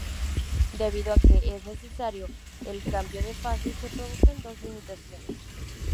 Debido a que es necesario el cambio de fase se producen dos limitaciones.